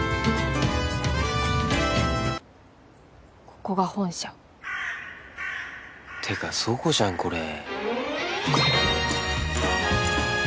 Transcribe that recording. ここが本社。ってか倉庫じゃんこれ。